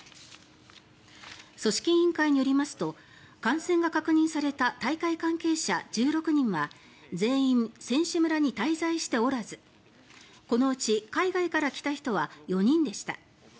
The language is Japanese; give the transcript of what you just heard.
組織委員会によりますと感染が確認された大会関係者１６人は全員選手村に滞在しておらずこのうち、海外から来た人は４人でした。